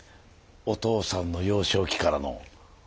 お父さんの幼少期からの。